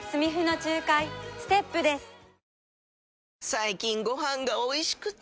最近ご飯がおいしくて！